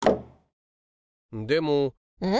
でもん？